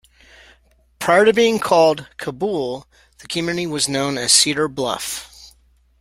Prior to being called Cabool, the community was known as Cedar Bluff.